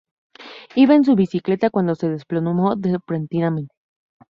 Iba en su bicicleta cuando se desplomó repentinamente.